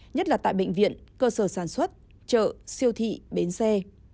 nhất là tại bệnh viện cơ sở sản xuất chợ siêu thị bến xe